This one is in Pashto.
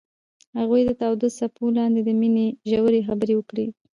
هغوی د تاوده څپو لاندې د مینې ژورې خبرې وکړې.